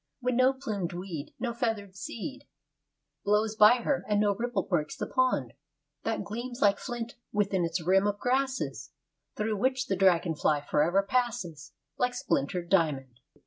when no plumed weed, no feather'd seed Blows by her; and no ripple breaks the pond, That gleams like flint within its rim of grasses, Through which the dragon fly forever passes Like splintered diamond.